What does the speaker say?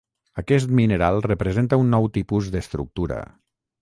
Aquest mineral representa un nou tipus d'estructura.